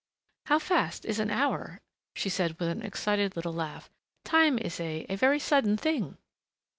"How fast is an hour!" she said with an excited little laugh. "Time is a a very sudden thing!"